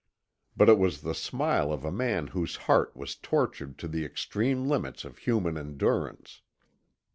But it was the smile of a man whose heart was tortured to the extreme limits of human endurance.